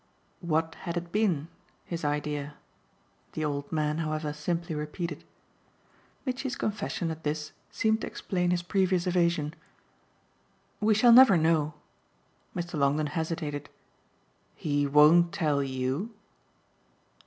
"What had it been, his idea?" the old man, however, simply repeated. Mitchy's confession at this seemed to explain his previous evasion. "We shall never know." Mr. Longdon hesitated. "He won't tell YOU?"